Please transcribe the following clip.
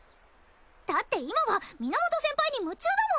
だって今は源先輩に夢中だもん！